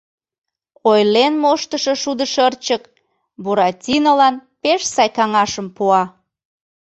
Ойлен моштышо Шудышырчык Буратинолан пеш сай каҥашым пуа.